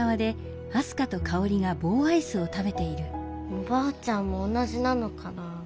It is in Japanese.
おばあちゃんも同じなのかな？